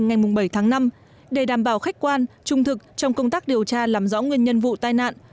ngày bảy tháng năm để đảm bảo khách quan trung thực trong công tác điều tra làm rõ nguyên nhân vụ tai nạn